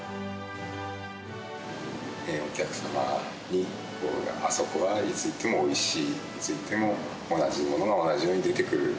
お客様に、あそこはいつでもおいしい、いつ来ても同じものが同じように出てくる。